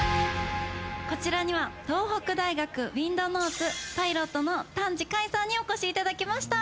こちらには東北大学Ｗｉｎｄｎａｕｔｓパイロットの丹治開さんにお越し頂きました。